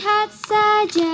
kiri kanan kulihat saja